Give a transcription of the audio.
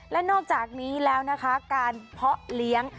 และนอกจากนี้แล้วนะคะการเพาะเลี้ยง